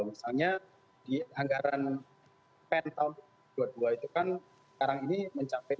misalnya di anggaran pen tahun dua ribu dua puluh dua itu kan sekarang ini mencapai rp empat ratus lima puluh lima enam puluh empat triliun